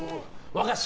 和菓子？